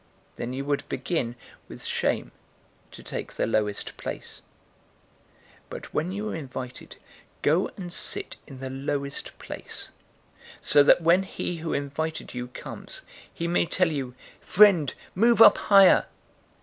Then you would begin, with shame, to take the lowest place. 014:010 But when you are invited, go and sit in the lowest place, so that when he who invited you comes, he may tell you, 'Friend, move up higher.'